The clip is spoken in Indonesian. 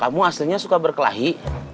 kamu aslinya suka berkelahi